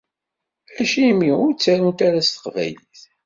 Acimi ur ttarunt ara s teqbaylit?